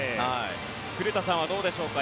古田さんはどうでしょうか。